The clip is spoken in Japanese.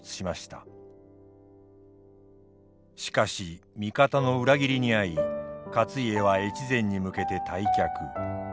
しかし味方の裏切りに遭い勝家は越前に向けて退却。